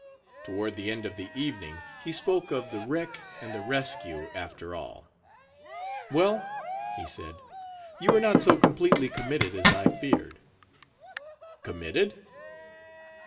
Toward the end of the evening, he spoke of the wreck and the rescue, after all. "Well," he said, "you are not so completely committed as I feared." "Committed?"